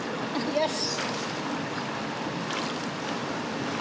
よし！